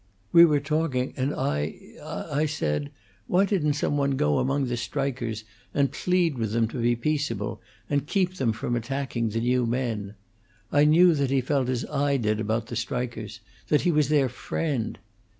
We were talking, and I I said, Why didn't some one go among the strikers and plead with them to be peaceable, and keep them from attacking the new men. I knew that he felt as I did about the strikers: that he was their friend.